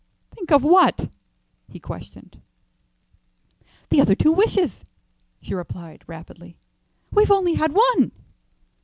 "Think of what?" he questioned. "The other two wishes," she replied, rapidly. "We've only had one."